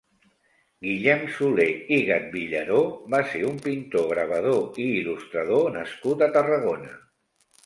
Guillem Soler i Gatvillaró va ser un pintor, gravador i il·lustrador nascut a Tarragona.